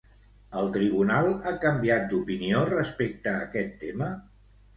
El tribunal ha canviat d'opinió respecte a aquest tema?